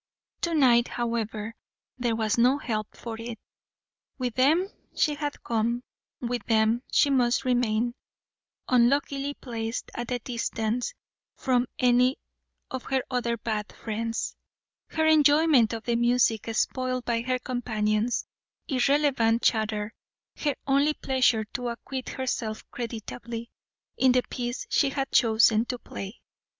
To night, however, there was no help for it. With them she had come, with them she must remain, unluckily placed at a distance from any of her other Bath friends, her enjoyment of the music spoiled by her companions' irrelevant chatter, her only pleasure to acquit herself creditably in the piece she had chosen to play.